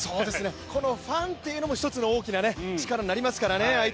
このファンも相手にとっては大きな力になりますからね。